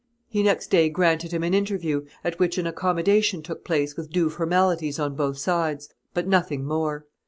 He next day granted him an interview, at which an accommodation took place with due formalities on both sides, but nothing more.